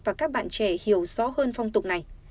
và các bạn trẻ hiểu rõ hơn phong tục này